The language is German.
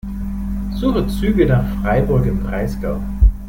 Suche Züge nach Freiburg im Breisgau.